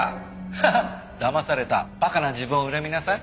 ハハッ！だまされた馬鹿な自分を恨みなさい。